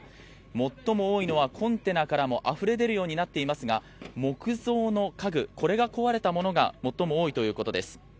最も多いのはコンテナからもあふれ出るようになっていますが、木造の家具、これが壊れたものが最も多いということです。